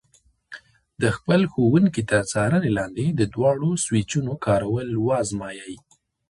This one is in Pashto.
د خپل ښوونکي تر څارنې لاندې د دواړو سویچونو کارول وازمایئ.